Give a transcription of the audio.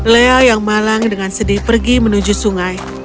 lea yang malang dengan sedih pergi menuju sungai